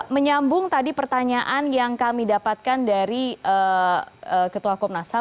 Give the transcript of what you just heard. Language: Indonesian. menyambung tadi pertanyaan yang kami dapatkan dari ketua komnas ham